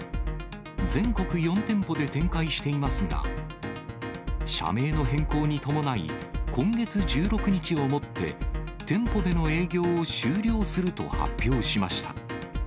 全国４店舗で展開していますが、社名の変更に伴い、今月１６日をもって、店舗での営業を終了すると発表しました。